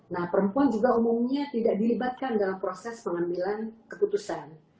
nah perempuan juga umumnya tidak dilibatkan dalam proses pengambilan keputusan